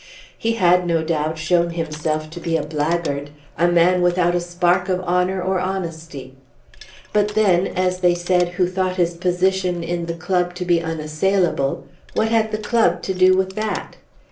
He had, no doubt, shown himself to be a blackguard, a man without a spark of honour or honesty. But then, as they said who thought his position in the club to be unassailable, what had the club to do with that?